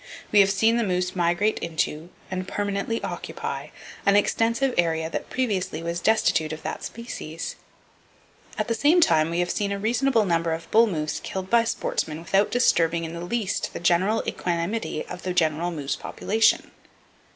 We have seen the moose migrate into, and permanently occupy, an extensive area that previously was destitute of that species. At the [Page 176] same time, we have seen a reasonable number of bull moose killed by sportsmen without disturbing in the least the general equanimity of the general moose population!